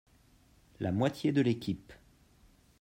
La moitié de l'équipe.